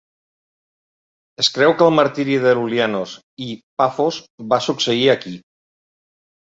Es creu que el martiri de Lulianos i Paphos va succeir aquí.